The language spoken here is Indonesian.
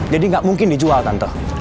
jadi gak mungkin dijual tante